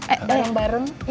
eh dalam bareng